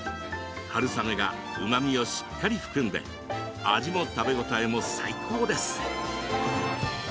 春雨がうまみをしっかり含んで味も食べ応えも最高です。